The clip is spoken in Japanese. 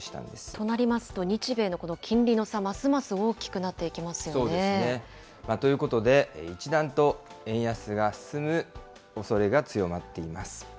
となりますと、日米のこの金利の差、ますます大きくなっていそうですね。ということで、一段と円安が進むおそれが強まっています。